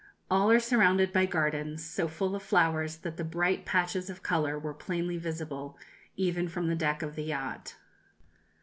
All are surrounded by gardens, so full of flowers that the bright patches of colour were plainly visible even from the deck of the yacht.